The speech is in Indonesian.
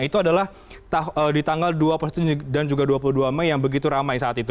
itu adalah di tanggal dua puluh tujuh dan juga dua puluh dua mei yang begitu ramai saat itu